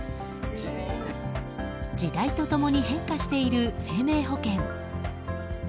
時代と共に変化している生命保険。